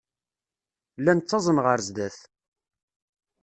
Llan ttaẓen ɣer sdat.